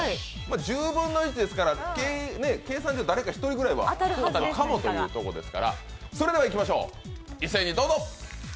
１０分の１ですから、計算上誰か当たるというところですからそれではいきましょう、一斉にどうぞ。